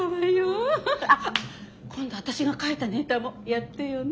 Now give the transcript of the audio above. あっ今度私が書いたネタもやってよね。